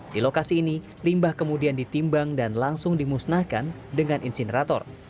di lokasi ini limbah kemudian ditimbang dan langsung dimusnahkan dengan insinerator